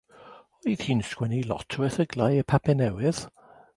Oedd hi'n sgwennu lot o erthyglau i'r papur newydd.